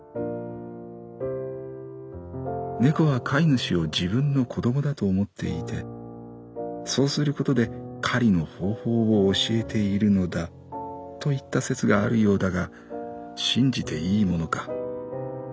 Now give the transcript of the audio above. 「猫は飼い主を自分の子供だと思っていてそうすることで狩りの方法を教えているのだといった説があるようだが信じていいものか。